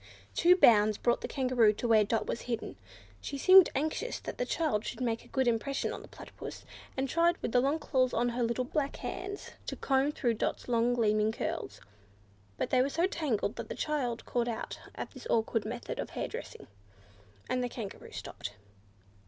Two bounds brought the Kangaroo to where Dot was hidden. She seemed anxious that the child should make a good impression on the Platypus, and tried with the long claws on her little black hands to comb through Dot's long gleaming curls; but they were so tangled that the child called out at this awkward method of hairdressing, and the Kangaroo stopped.